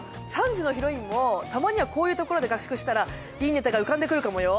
３時のヒロインもたまにはこういうところで合宿したらいいネタが浮かんでくるかもよ。